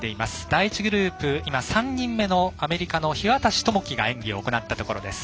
第１グループ、３人目のアメリカの樋渡知樹が演技を行ったところです。